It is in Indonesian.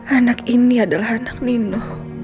anak ini adalah anak nino